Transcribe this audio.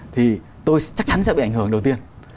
thì tôi chắc chắn sẽ bị ảnh hưởng đầu tiên